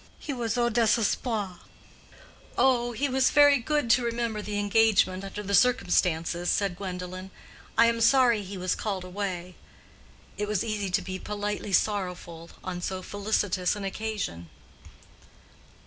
He was au désespoir." "Oh, he was very good to remember the engagement under the circumstances," said Gwendolen. "I am sorry he was called away." It was easy to be politely sorrowful on so felicitous an occasion.